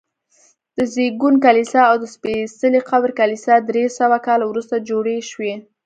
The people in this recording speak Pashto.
د زېږون کلیسا او د سپېڅلي قبر کلیسا درې سوه کاله وروسته جوړې شوي.